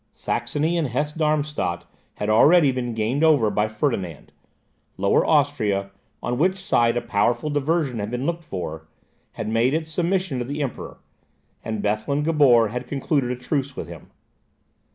Saxony and Hesse Darmstadt had already been gained over by Ferdinand; Lower Austria, on which side a powerful diversion had been looked for, had made its submission to the Emperor; and Bethlen Gabor had concluded a truce with him.